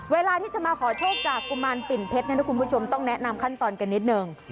เวลาที่จะมาขอโชคจากกุมารปิ่นเพชรเนี่ยนะคุณผู้ชมต้องแนะนำขั้นตอนกันนิดนึง